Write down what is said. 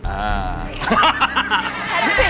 อ่า